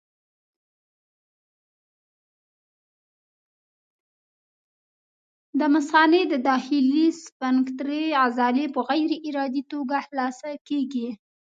د مثانې د داخلي سفنکترې عضلې په غیر ارادي توګه خلاصه کېږي.